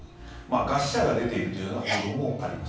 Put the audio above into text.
餓死者が出ているというような報道もあります。